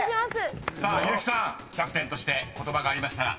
［さあ結木さんキャプテンとして言葉がありましたら］